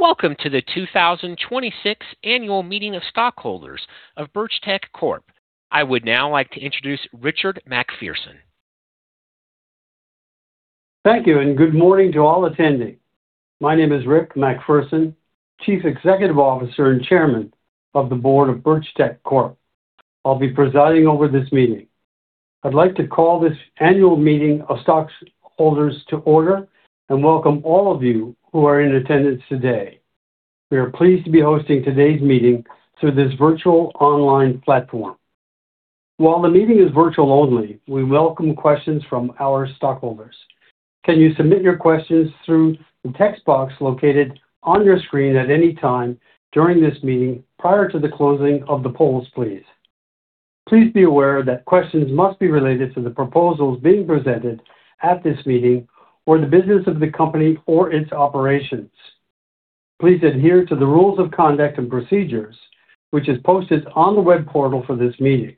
Welcome to the 2026 annual meeting of stockholders of Birchtech Corp. I would now like to introduce Richard MacPherson. Thank you. Good morning to all attending. My name is Rick MacPherson, Chief Executive Officer and Chairman of the Board of Birchtech Corp. I'll be presiding over this meeting. I'd like to call this annual meeting of stockholders to order and welcome all of you who are in attendance today. We are pleased to be hosting today's meeting through this virtual online platform. While the meeting is virtual only, we welcome questions from our stockholders. Can you submit your questions through the text box located on your screen at any time during this meeting prior to the closing of the polls, please? Please be aware that questions must be related to the proposals being presented at this meeting, or the business of the company or its operations. Please adhere to the rules of conduct and procedures, which is posted on the web portal for this meeting.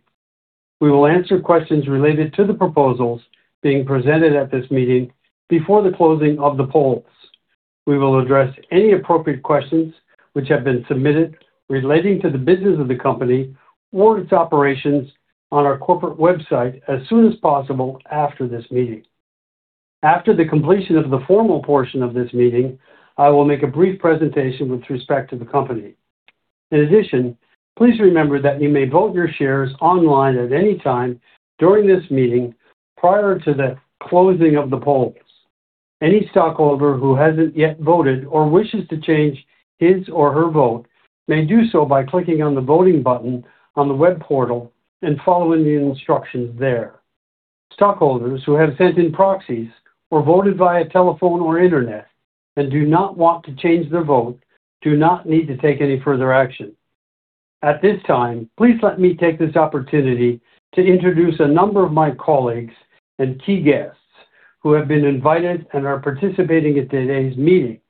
We will answer questions related to the proposals being presented at this meeting before the closing of the polls. We will address any appropriate questions which have been submitted relating to the business of the company or its operations on our corporate website as soon as possible after this meeting. After the completion of the formal portion of this meeting, I will make a brief presentation with respect to the company. In addition, please remember that you may vote your shares online at any time during this meeting prior to the closing of the polls. Any stockholder who hasn't yet voted or wishes to change his or her vote may do so by clicking on the voting button on the web portal and following the instructions there. Stockholders who have sent in proxies or voted via telephone or internet do not want to change their vote do not need to take any further action. At this time, please let me take this opportunity to introduce a number of my colleagues and key guests who have been invited and are participating in today's meeting.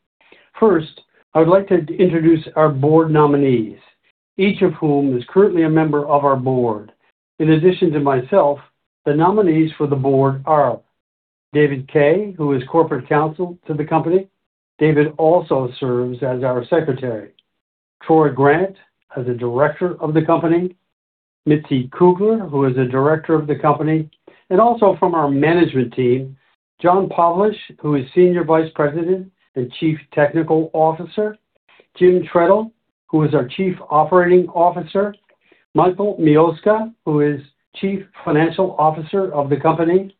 First, I would like to introduce our board nominees, each of whom is currently a member of our board. In addition to myself, the nominees for the board are David Kaye, who is corporate counsel to the company. David also serves as our secretary. Troy Grant, as a director of the company. Mitzi Coogler, who is a director of the company. Also from our management team, John Pavlish, who is Senior Vice President and Chief Technical Officer. Jim Trettel, who is our Chief Operating Officer. Michael Mioska, who is Chief Financial Officer of the company.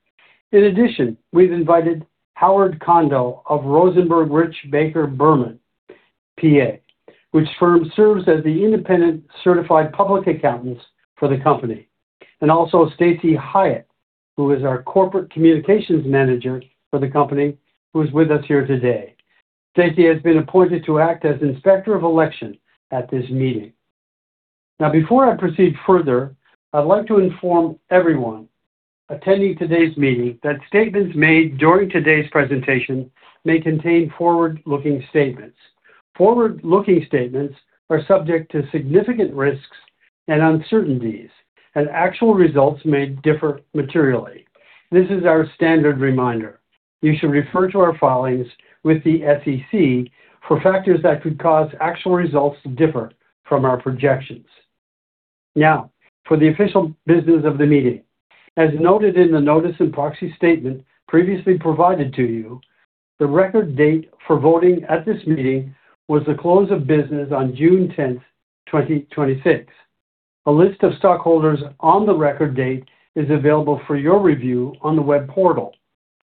In addition, we've invited Howard Condo of Rosenberg Rich Baker Berman, P.A., which firm serves as the independent certified public accountants for the company. Also Stacey Hyatt, who is our corporate communications manager for the company, who is with us here today. Stacey has been appointed to act as Inspector of Election at this meeting. Before I proceed further, I'd like to inform everyone attending today's meeting that statements made during today's presentation may contain forward-looking statements. Forward-looking statements are subject to significant risks and uncertainties, and actual results may differ materially. This is our standard reminder. You should refer to our filings with the SEC for factors that could cause actual results to differ from our projections. For the official business of the meeting. As noted in the notice and proxy statement previously provided to you, the record date for voting at this meeting was the close of business on June 10th, 2026. A list of stockholders on the record date is available for your review on the web portal.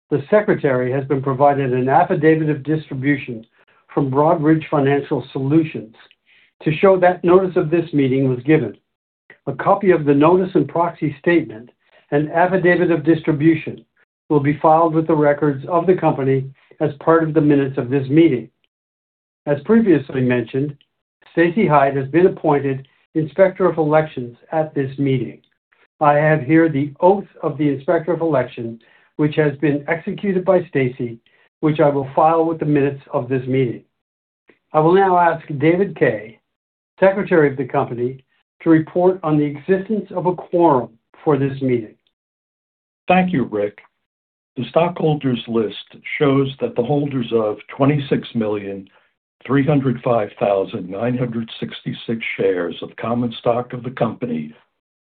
The secretary has been provided an affidavit of distribution from Broadridge Financial Solutions to show that notice of this meeting was given. A copy of the notice and proxy statement and affidavit of distribution will be filed with the records of the company as part of the minutes of this meeting. As previously mentioned, Stacey Hyatt has been appointed Inspector of Election at this meeting. I have here the oath of the Inspector of Election, which has been executed by Stacey, which I will file with the minutes of this meeting. I will now ask David Kaye, Secretary of the company, to report on the existence of a quorum for this meeting. Thank you, Rick. The stockholders' list shows that the holders of 26,305,966 shares of common stock of the company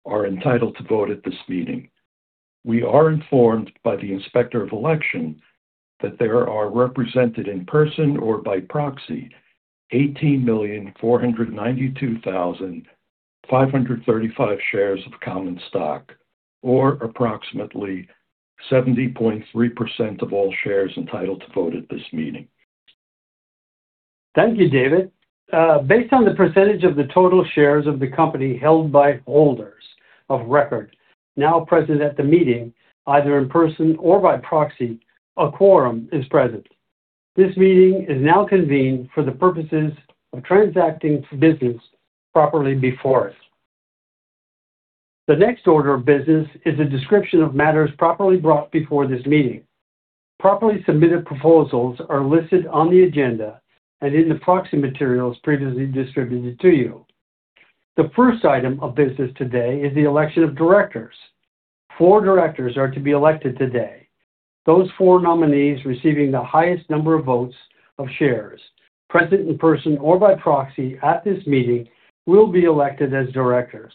are entitled to vote at this meeting. We are informed by the Inspector of Election that there are represented in person or by proxy 18,492,535 shares of common stock, or approximately 70.3% of all shares entitled to vote at this meeting. Thank you, David. Based on the percentage of the total shares of the company held by holders of record now present at the meeting, either in person or by proxy, a quorum is present. This meeting is now convened for the purposes of transacting business properly before us. The next order of business is a description of matters properly brought before this meeting. Properly submitted proposals are listed on the agenda and in the proxy materials previously distributed to you. The first item of business today is the election of directors. Four directors are to be elected today. Those four nominees receiving the highest number of votes of shares, present in person or by proxy at this meeting, will be elected as directors.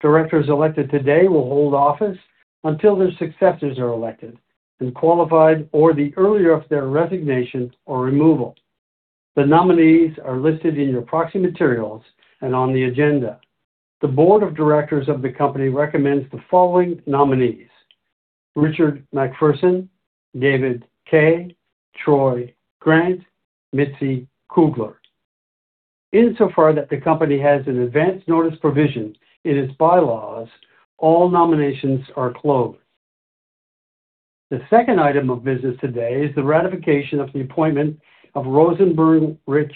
Directors elected today will hold office until their successors are elected and qualified or the earlier of their resignation or removal. The nominees are listed in your proxy materials and on the agenda. The board of directors of the company recommends the following nominees: Richard MacPherson, David Kaye, Troy Grant, Mitzi Kugler. Insofar that the company has an advance notice provision in its bylaws, all nominations are closed. The second item of business today is the ratification of the appointment of Rosenberg Rich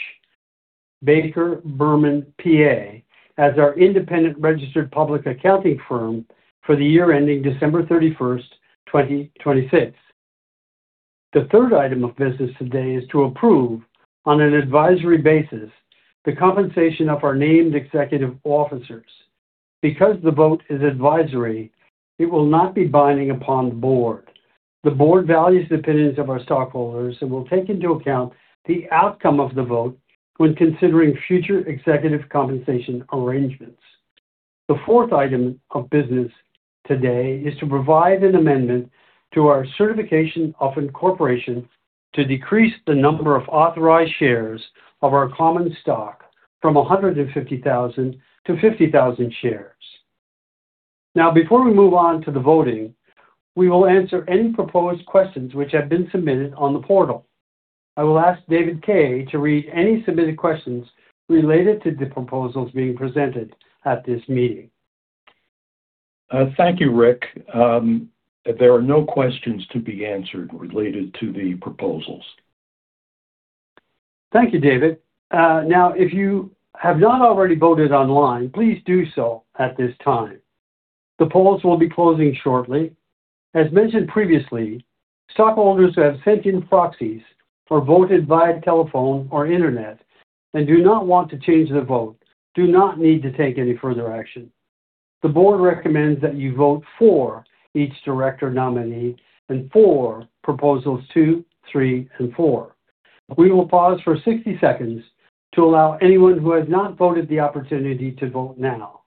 Baker Berman, P.A. as our independent registered public accounting firm for the year ending December 31st, 2026. The third item of business today is to approve, on an advisory basis, the compensation of our named executive officers. Because the vote is advisory, it will not be binding upon the board. The board values the opinions of our stockholders and will take into account the outcome of the vote when considering future executive compensation arrangements. The fourth item of business today is to provide an amendment to our certification of incorporation to decrease the number of authorized shares of our common stock from 150,000 to 50,000 shares. Now, before we move on to the voting, we will answer any proposed questions which have been submitted on the portal. I will ask David Kaye to read any submitted questions related to the proposals being presented at this meeting. Thank you, Rick. There are no questions to be answered related to the proposals. Thank you, David. Now, if you have not already voted online, please do so at this time. The polls will be closing shortly. As mentioned previously, stockholders who have sent in proxies or voted via telephone or internet and do not want to change their vote, do not need to take any further action. The board recommends that you vote for each director nominee and for proposals two, three, and four. We will pause for 60 seconds to allow anyone who has not voted the opportunity to vote now.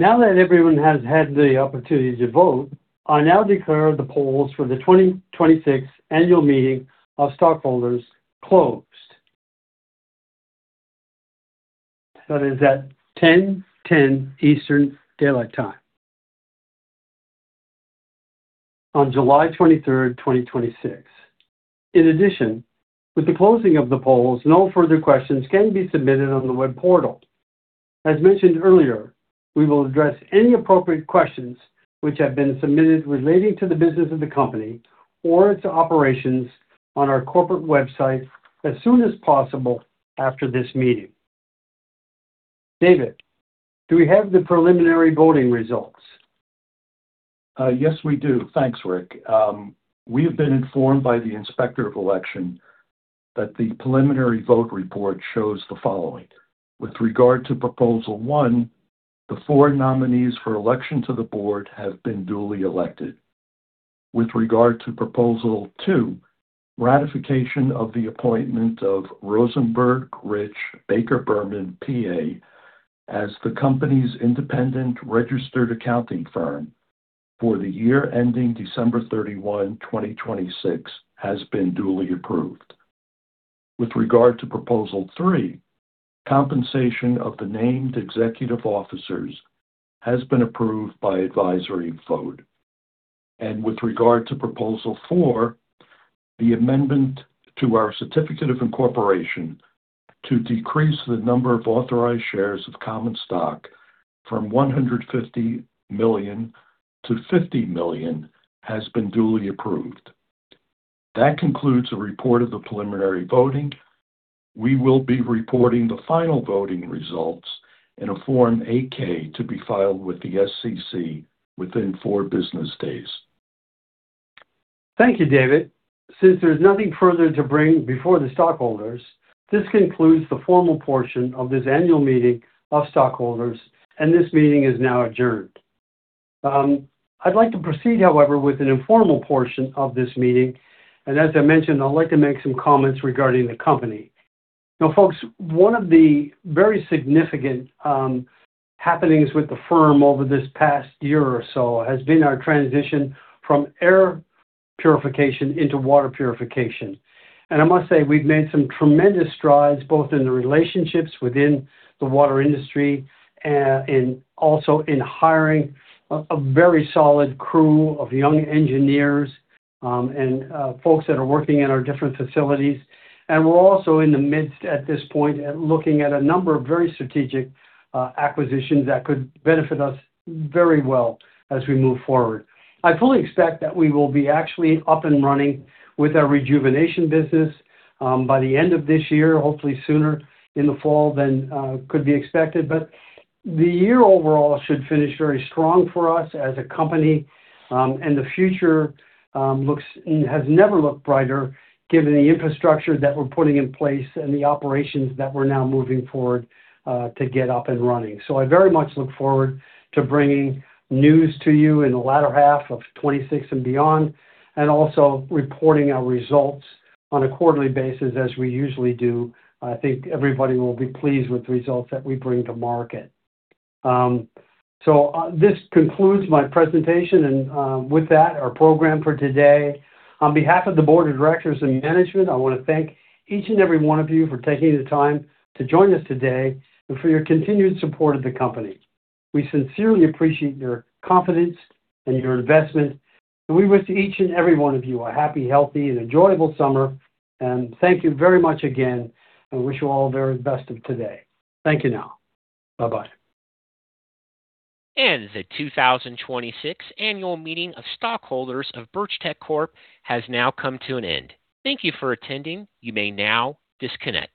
Now that everyone has had the opportunity to vote, I now declare the polls for the 2026 annual meeting of stockholders closed. That is at 10:10 A.M. Eastern Daylight Time on July 23rd, 2026. In addition, with the closing of the polls, no further questions can be submitted on the web portal. As mentioned earlier, we will address any appropriate questions which have been submitted relating to the business of the company or its operations on our corporate website as soon as possible after this meeting. David, do we have the preliminary voting results? Yes, we do. Thanks, Rick. We have been informed by the Inspector of Election that the preliminary vote report shows the following. With regard to proposal one, the four nominees for election to the board have been duly elected. With regard to proposal two, ratification of the appointment of Rosenberg Rich Baker Berman, P.A. as the company's independent registered accounting firm for the year ending December 31, 2026, has been duly approved. With regard to proposal three, compensation of the named executive officers has been approved by advisory vote. With regard to proposal four, the amendment to our certificate of incorporation to decrease the number of authorized shares of common stock from 150 million to 50 million has been duly approved. That concludes the report of the preliminary voting. We will be reporting the final voting results in a Form 8-K to be filed with the SEC within four business days. Thank you, David. Since there is nothing further to bring before the stockholders, this concludes the formal portion of this annual meeting of stockholders, and this meeting is now adjourned. I'd like to proceed, however, with an informal portion of this meeting, and as I mentioned, I'd like to make some comments regarding the company. Folks, one of the very significant happenings with the firm over this past year or so has been our transition from air purification into water purification. I must say, we've made some tremendous strides, both in the relationships within the water industry and also in hiring a very solid crew of young engineers and folks that are working in our different facilities. We're also in the midst, at this point, at looking at a number of very strategic acquisitions that could benefit us very well as we move forward. I fully expect that we will be actually up and running with our rejuvenation business by the end of this year, hopefully sooner in the fall than could be expected. The year overall should finish very strong for us as a company. The future has never looked brighter given the infrastructure that we're putting in place and the operations that we're now moving forward to get up and running. I very much look forward to bringing news to you in the latter half of 2026 and beyond, and also reporting our results on a quarterly basis as we usually do. I think everybody will be pleased with the results that we bring to market. This concludes my presentation and, with that, our program for today. On behalf of the board of directors and management, I want to thank each and every one of you for taking the time to join us today and for your continued support of the company. We sincerely appreciate your confidence and your investment, and we wish each and every one of you a happy, healthy, and enjoyable summer. Thank you very much again, and we wish you all the very best of today. Thank you now. Bye-bye. The 2026 annual meeting of stockholders of Birchtech Corp has now come to an end. Thank you for attending. You may now disconnect.